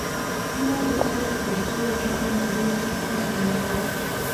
ما د خدای د فرښتو له ډاره ملګرو ته کنځل نه کول.